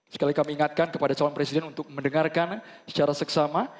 sekali kali ingatkan kepada calon presiden untuk mendengarkan secara seksama